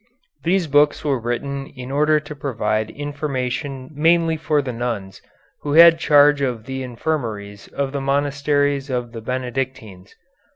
These books were written in order to provide information mainly for the nuns who had charge of the infirmaries of the monasteries of the Benedictines.